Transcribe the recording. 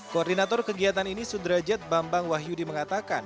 koordinator kegiatan ini sudrajat bambang wahyudi mengatakan